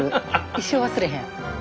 一生忘れへん。